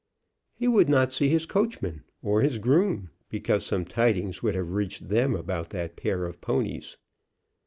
He would not see his coachman or his groom, because some tidings would have reached them about that pair of ponies.